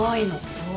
そう。